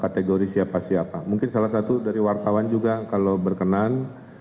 kategori siapa siapa mungkin salah satu dari wartawan juga kalau berkenan